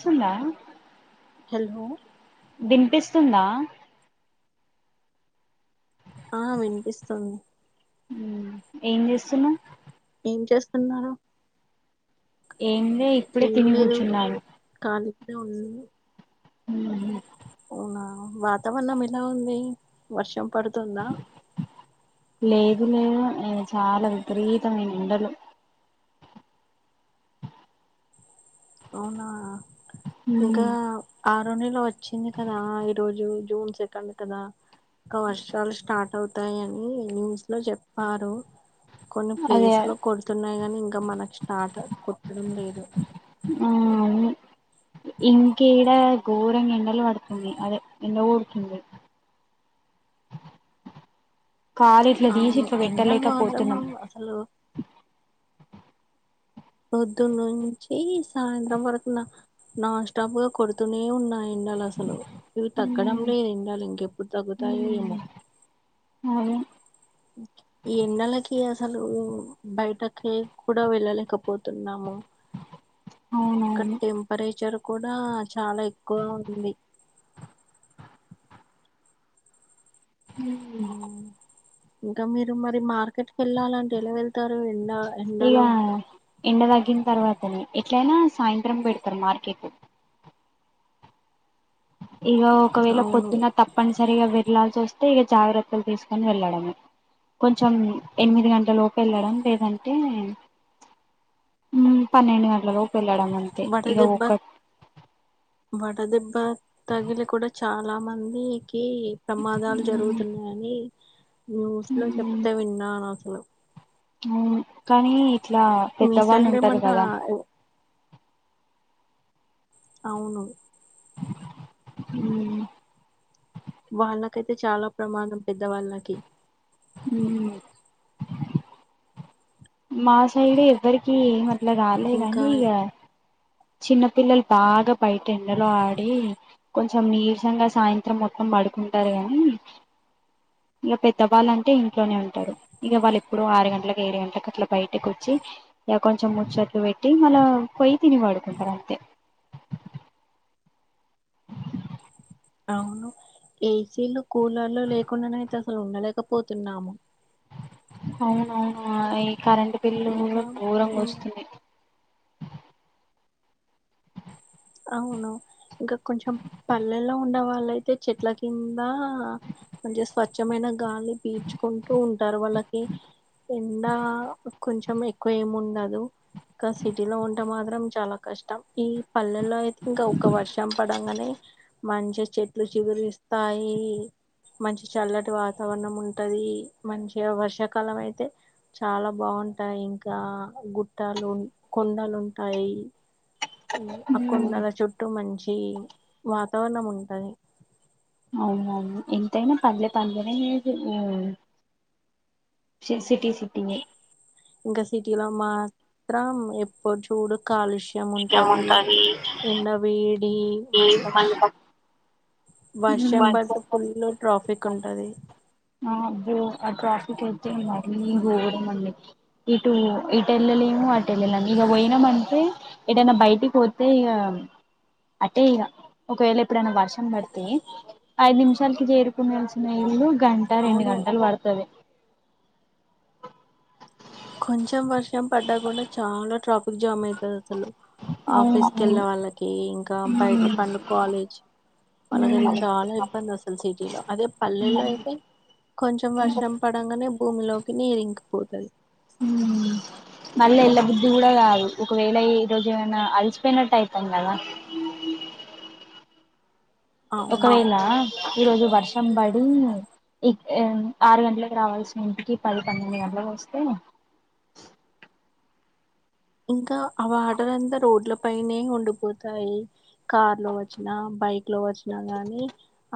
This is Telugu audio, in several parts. స్తుందా హలో వినిపిస్తుందా ఆ వినిపిస్తుంది మ్మ్ ఏం చేస్తున్నావ్ ఏం చేస్తున్నారు ఏం లే ఇప్పుడే ఏం తిని లేదు కూర్చున్నా [unintelligible] మ్మ్ మ్మ్ ఆ వాతావరణం ఎలా ఉంది వర్షం పడుతుందా లేదు లేదు ఈడ చాలా విపరీతమైన ఎండలు అవునా ఇంకా మ్మ్ ఆరో నెల వచ్చింది కదా ఈ రోజు జూన్ సెకండ్ కదా ఆ వర్షాలు స్టార్ట్ అవుతాయని న్యూస్ లో చెప్పారు కొన్ని అదే ప్లేస్ ఆ లో కొడుతున్నాయి కాని ఇంకా మనకు స్టార్ట్ కుట్టడం లేదు మ్మ్ హు ఇంకేడ ఘోరంగ ఎండలు పడుతుంది అదే ఎండ కొడుతుంది కాలు ఇట్ల తీసి ఇట్ల పెట్టలేక పోతున్నాం హలో పొద్దు నుంచి సాయంత్రం వరకు న నాన్ స్టాప్ గా కొడుతూనే ఉన్నాయి ఎండలు అసలు ఇవి తగ్గడం మ్మ్ లే ఎండలు ఇంకెప్పుడు తగ్గుతాయో ఏమో అయ్యో ఈ ఎండలకి అసలు బయటకి కూడా వెళ్ళలేకపోతున్నాము కీ క్ ఇక్కడ టెంపరేచర్ కూడా చాలా ఎక్కువ ఉంది మ్మ్ ఇంకా మీరు మరి మార్కెట్కి వెళ్ళాలంటే ఎలా వెళ్తారు ఎండ ఇగ ఎండలో ఎండ తగ్గిన తర్వాతనే ఎట్లయినా సాయంత్రం పెడతారు మార్కెట్ ఇగ ఒకవేళ అవును పొద్దున్న తప్పనిసరిగా విళ్లాల్సి వస్తే ఇగ జాగ్రత్తలు తీసుకొని వెళ్ళడమే కొంచెం ఎనిమిది గంటల లోపు వెళ్ళడం లేదంటే మ్మ్ పన్నెండు గంటలలోపు వెళ్ళాడమే వడ దెబ్బ వడ దెబ్బ తగిలి కూడా చాలా మందికి ప్రమాదాలు జరుగుతున్నాయని న్యూస్ లో చెప్తే విన్ననసలు మ్ కానీ ఇట్లా మీ పెద్దవాళ్ళు సైడ్ ఉంటారు ఏమన్నా కదా అవును మ్ వాళ్ళకైతే చాలా ప్రమాదం పెద్ద వాళ్ళకి మ్ మా సైడు ఎవ్వరికి అట్లా కాలే ఇంకా కానీ ఇగ చిన్న పిల్లలు బాగా బయట ఎండలో ఆడి కొంచెం నీరసంగ సాయంత్రం మొత్తం పడుకుంటారు గాని ఇగ పెద్దవాళ్ళ అంటే ఇంట్లోనే ఉంటారు ఇగ వాళ్ళు ఎప్పుడో ఆరు గంటలకు ఏడు గంటలకు అట్లా బయటకు వచ్చి ఇగ కొంచెం ముచ్చట్లు పెట్టి మల్ల పొయ్యి తిని పడుకుంటారు అంతే అవును ఏసీలు కూలర్లు లేకుండానైయితే అసలు ఉండలేకపోతున్నాము అవునవును ఈ కరెంట్ బిల్లు కూడ ఇంకా గోరంగా ఉమ్, వస్తుంది అవును ఇంకా కొంచెం పల్లెల్లో ఉండేవాళ్ళయితే చెట్ల కింద మంచిగ స్వచ్ఛమైన గాలి పీడ్చుకుంటూ ఉంటారు వాళ్ళకి ఎండా కొంచెం ఎక్కువ ఏమి ఉండదు ఇంకా సిటీ లో ఉంటే మాత్రం చాలా కష్టం ఈ పల్లెల్లో అయితే ఇంకా ఒక వర్షం పడంగానే మంచిగ చెట్లు చిగురిస్తాయి మంచి చల్లటి వాతావరణం ఉంటది మంచిగా వర్షాకాలం అయితే చాలా బాగుంటాయి ఇంకా గుట్టాలు కొండలు ఉంటాయి అ కొండల చుట్టూ మంచి వాతావరణం ఉంటది అవునవును ఎంతైనా పల్లే పల్లెనే వేరు మ్ సిర్సి సిట్టింగేయ్ ఇంకా సిటిలో మాత్రం ఎప్పు చూడు కాలుష్య ఉంటది ఎండ వేడి మళ్ళీ బస్ వర్షం పడితే ఫుల్ ట్రాఫిక్ ఉంటది అబ్బో ఆ ట్రాఫక్ అయితే మరి గోరం అండి ఇటు ఈటెళ్ళలేము అటేళ్ళలేము ఇగ పోయినామంటే ఏటైనా బయటికి పోతే ఇగ అటే ఇగ ఒకవేళ ఎప్పుడైనా వర్షం పడితే ఐదు నిమిషాలకి చేరుకునేల్సిన ఇల్లు గంట రెండు అవును గంటలు పడుతది కొంచెం వర్షం పడ్డాకుడ చాలా ట్రాఫిక్ జామ్ అవుతది అసలు అవును ఆఫీస్ కి అవును వెళ్ళ వాళ్ళకి ఇంకా బయట ఉమ్ పండుకో లేజ్ పలకరించే చాలా ఇబ్బంది అసలు సిటీలో అదే పల్లెల్లో అయితే కొంచెం వర్షం పడంగనే భూమిలోకి నీరింకిపోతది మ్ మళ్ళీ ఏళ్ల బుద్ధి కూడ గాదు ఒకవేళ ఈ రోజు ఏమన్నా అలిసిపోయినట్టు అయితం గదా అవును ఒకవేళ ఈరోజు వర్షం బడి ఇ ఎ ఆరు గంట్లకు కు రావాల్సిన ఇంటికి పది పన్నెండు గంట్లకోస్తే ఇంకా ఆ వాటర్ అంతా రోడ్ల పైనే ఉండిపోతాయి కార్ లో ఒచ్చినా బైక్ లో వచ్చినా గానీ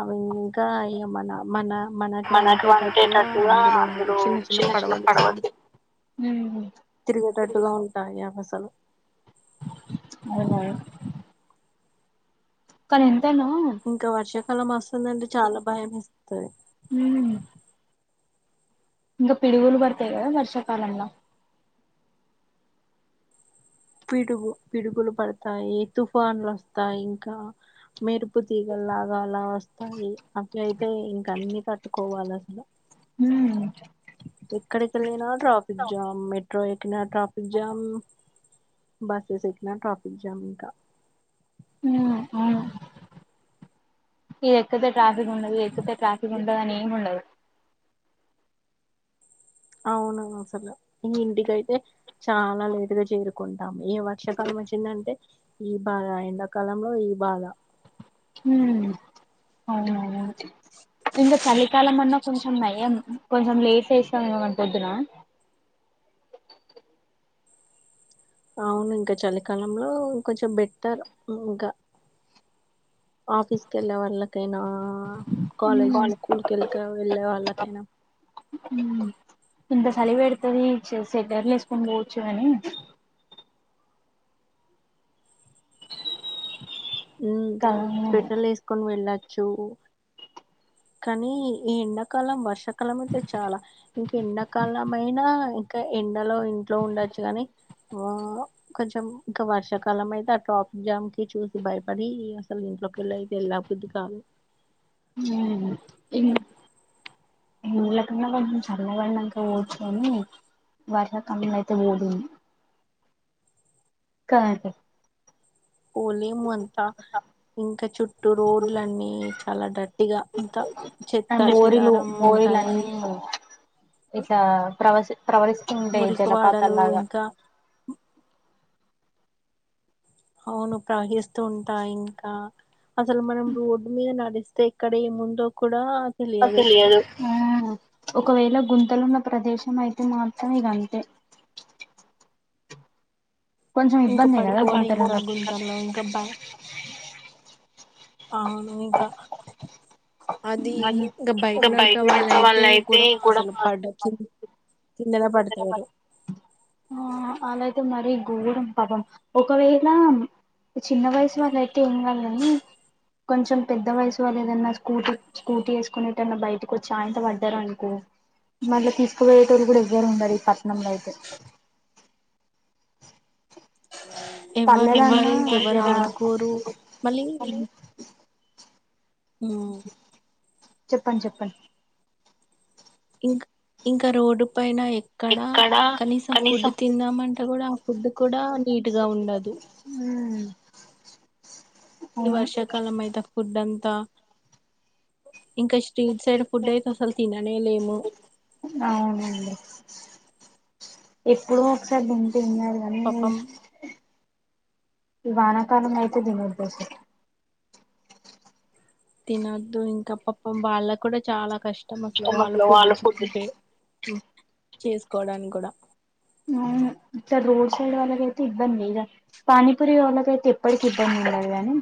అవి ఇంకా ఇగ మన మన మనకు వంటేటట్టుగా అందులో చిన్న చిన్న పడవలేస్ ఉ తిరిగేటట్టుగ ఉంటాయ అసలు అవున కానీ ఎంత అయినా ఇంక వర్షాకాలం వస్తుంది అంటే చాల భయమేస్తది హు ఇంక పిడుగులు పడతాయి కదా వర్షాకాలంల పిడుగు పిడుగులు పడతాయి తుఫాన్లు ఒస్తాయి ఇంక మెరుపు తీగలాగా అలా వస్తాయి అట్ల అయితే ఇంక అన్ని కట్టుకోవాలి అసలు హ ఎక్కడికెళ్ళిన ట్రాఫిక్ జామ్ మెట్రో ఎక్కినా ట్రాఫిక్ జామ్ బసెస్ ఎక్కిన ట్రాఫిక్ జామ్ ఇంక ఊ ఉ ఇగ ఎక్కితే ట్రాఫిక్ ఉండది ఎక్కతే ట్రాఫీక్ ఉండదు అని ఏమి ఉండదు అవున అసలు ఈ ఇంటికైతే చాలా లేటుగ చేరుకుంటాము ఇగ వర్షాకాలం వచ్చిందంటే ఈ బాధ ఎండాకాలంలో ఈ బాధ ఊ అవునా ఇంక చలికాలం అన్నా కొంచెం నయం కొంచెం లేసేస్తా [unintelligible] పొద్దున అవును ఇంక చలికాలంలో కొంచెం బెట్టరు ఇంక ఆఫీస్కి ఎళ్ళే వాళ్ళకైనా కాలేజ్ కాలే స్కూల్ క కె కెళ్ళే వాళ్ళకైనా ఊ ఇంత సలి పెడుతది సెటర్లు ఏసుకొని పోవచ్చు గని ఉ కాదు స్వెటర్లు వేసుకొని వెళ్ళచ్చు కనీ ఈ ఎండకాలం వర్షాకాలం అయితే చాల ఇంక ఎండాకాలమైనా ఇంక ఎండలో ఇంట్లో ఉండొచ్చు కాని వ కొంచెం ఇంకా వర్షాకాలం అయితే ఆ ట్రాఫిక్ జామ్ కి చూసి భయపడి అసలు ఇంట్లోకెళ్ళయితే ఎళ్ళం కొద్ది కాదు ఊ ఇం ళ్ళ కున్నా గాని చల్లబడినంక పోవచ్చు గని వర్ష కాలమైతే [unintelligible] క [unintelligible] పోలేము అంత ఇంక చుట్టూ రోడ్లన్నీ చాలా డట్టిగా అంత చెత్తా అండి మోరీలు చెదారం ఉంటాయి ఇట్ల ప్రవసి ప్రవరిస్తుండే మురికి జలపాతలు వాడలు లాగ ఇంకా అవును ప్రవహిస్తూ ఉంటాయి ఇంక అసలు మనం రోడ్డు మీద నడిస్తే ఎక్కడ ఏముందో కూడ తెలియదు ఆ ఒకవేళ గుంతలున్న ప్రదేశం అయితే మాత్రం ఇది అంతే కొంచెం ఇంక ఇబ్బందే కదా పడిపోవుడే ఇంక గుంతలున్న గుంతల్లో ఇంకా [unintelligible] అవును ఇంక అది ఇంక బైక్ నడిపే వాళ్ళ అయితే కూడా అసలు పడ [unintelligible] ఆ అలాయితే మరి గోరం పపం ఒకవేళ చిన్న వయసు వాళ్ళ అయితే ఏం కాాలని కొంచెం పెద్ద వయసు వాళ్ళు ఏదన్నా స్కూటీ స్కూటీ వేసుకుొనేటన్నా బయటకు వచ్చి ఆయంత పడ్డారు అనుకో మళ్ళీ తీసుకుపోయేటోళ్లు కూడా ఎవ్వరు ఉండరు ఈ పట్నంలో అయితే ఎవరు ఉండరు పల్లెలన్నా ఇంకెవరు జర ఆదుకోరు మళ్ళీ ఉ చెప్పండి చెప్పండి ఇంకా ఇంకా రోడ్ పైన ఎక్కడా కనీసం ఫుడ్ తిందామంట కూడా ఫుడ్ కూడా నీట్ గా ఉండదు ఉ ఈ వర్షాకాలం అయితే ఫుడ్ అంతా ఇం కిస్ స్ట్రీట్ సైడ్ ఫుడ్ అయితే అసలు తిననేలేము అవునండి ఎప్పుడు ఒకసారి నేను తిన్నాను కానీ పాపం ఈ వానాకాల అయితే తినొద్దు తినొద్దు ఇంకా పాపం వాళ్ళకి కూడా చాలా కష్టం అసలు వాళ్ళ ఫుడ్ చెడిపోయి ఉ చేసుకోవడానికి కూడా అవును ఇట్ట రోసాడు వాళ్లది అయితే ఇబ్బంది గా పానీ పూరి వాళ్లకి అయితే ఇప్పటికి ఇబ్బంది ఉండదు గానీ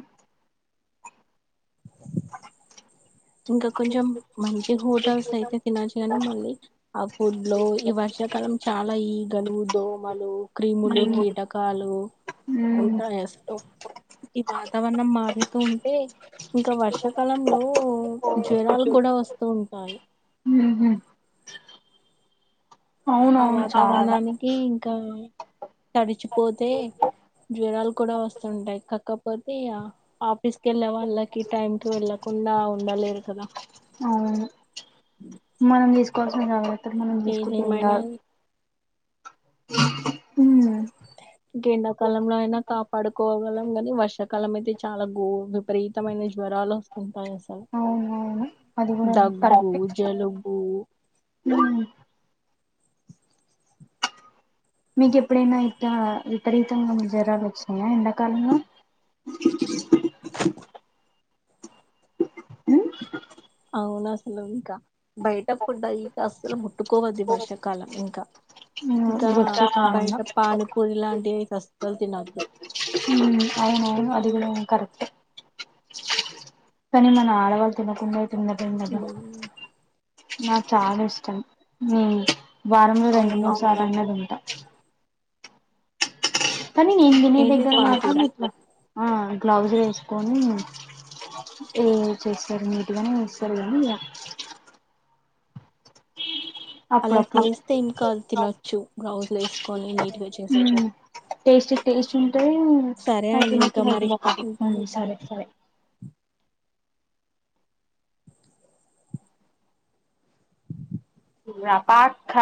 ఇంకా కొంచెం మంచి హోటల్స్ అయితే తినచ్చు కాని మళ్ళీ హౌ ఫుడ్ లో ఈ వర్షాకాలం చాలా ఈగలు దోమలు క్రీములు క్రీము కీటకాలు ఉంటాయి అసలు ఈ వాతావరణం మారుతూ ఉంటే ఇంకా వర్షాకాలంలో జ్వరాలు కూడా వస్తూ ఉంటాయి ఉహు ఆ అవునవును చాలా వాతావరణానికి ఇంకా తడిచిపోతే జ్వరాలు కూడా వస్తుంటాయి కాకపోతే ఆఫీస్ వెళ్ళ వాళ్ళకి టైమ్ కి వెళ్ళకుండా ఉండలేరు కదా అవును మనం తీసుకోవాల్సిన కావత్తలు మనం తీసుకుంటే ఏం ఏదేమైనా కాదు హూ ఇంకా ఎండాకాలంలో అయినా కాపాడుకోగలం గాని వర్షాకాలం అయితే చాలా గోదం విపరీతమైన జ్వరాలు వస్తుంటాయి అసలు అవునవును అది సరే కూడా దగ్గు జలుబు ఉ మీకు ఎప్పుడైనా ఇట్లా విపరీతంగా జరాలు వచ్చినాయా ఎండాకాలంలో హు అవును అసలు ఇంకా బయటప్పుడు ఇక అసలు ముట్టుకోవద్ది ఈ వర్షాకాలం ఇంకా ఇంకా ఇది వచ్చే బయట కాలంలో పానీపూరి లాంటివి సస్తులు తినొద్దు ఉమ్ అవును అవును అది కూడా కరెక్ట్ కానీ మన ఆడవాళ్ళు తినకుండా తిన్న తిన్నగా ఉమ్, నాకు చాలా ఇష్టం నీ వారంలో రెండు అవును మూడు అసలు సార్లు అన్న తింటా కానీ నేను తినే ఏంటి దగ్గర మాక పానీపూర మీ గ్లౌజ్ వేసుకొని ఏ చేస్తారు నీట్గానే ఇస్తారు గానీ ఈయ అప్పుడు అలా అప్పుడు చేస్తే ఏం కాదు తినొచ్చు బ్లౌజులు వేసుకొని [unintelligible] నీట్గా చేస్తే ఉమ్ టేస్ట్ టేస్ట్ ఉంటే సరే అండి అగినకి ఇంకా మరి ఉంటాను హగిటి సరే సరే ఇప్పుడ ఆ పక్క